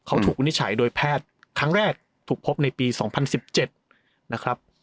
เขาถูกวินิจฉัยโดยแพทย์ครั้งแรกถูกพบในปี๒๐๑๗นะครับ